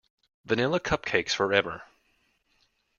Vanilla cupcakes forever.